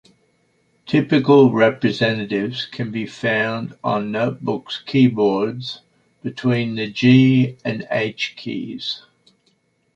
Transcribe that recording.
Typical representatives can be found on notebook's keyboards between the "G" and "H" keys.